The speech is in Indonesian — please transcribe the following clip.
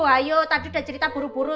wahyu tadi udah cerita buru buru